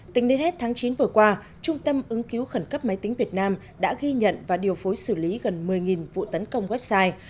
tính đến hết tháng chín vừa qua trung tâm ứng cứu khẩn cấp máy tính việt nam đã ghi nhận và điều phối xử lý gần một mươi vụ tấn công website